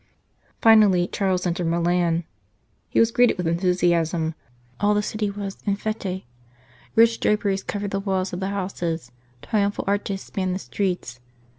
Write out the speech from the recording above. Finally Charles entered Milan. He was greeted with enthusiasm ; all the city was en f&e ; rich draperies covered the walls of the houses, triumphal arches spanned the streets.